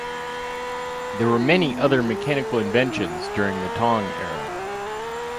There were many other mechanical inventions during the Tang era.